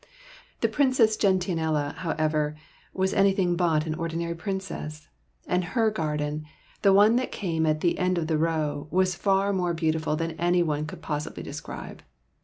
The Princess Gentianella, however, was anything but an ordinary princess ; and her garden, the one that came at the end of the row, was far more beautiful than any one could possibly describe.